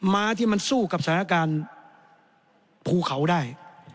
ม้าที่มันสู้กับสถานการณ์ภูเขาได้